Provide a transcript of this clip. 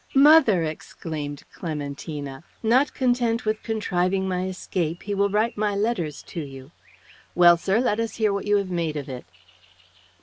"Mother," exclaimed Clementina, "not content with contriving my escape, he will write my letters to you. Well, sir, let us hear what you have made of it."